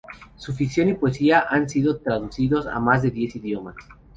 Su ficción y poesía han sido traducidos a más de diez idiomas.